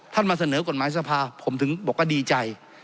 มาเสนอกฎหมายสภาผมถึงบอกว่าดีใจ